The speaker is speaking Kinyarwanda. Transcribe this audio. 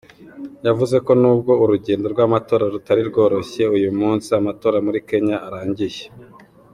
Yavuze ko nubwo urugendo rw’amatora rutari rworoshye uyu munsi amatora muri Kenya arangiye.